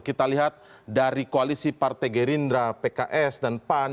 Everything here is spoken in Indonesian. kita lihat dari koalisi partai gerindra pks dan pan